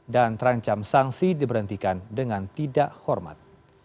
dan terancam sanksi diberhentikan dengan tidak hormat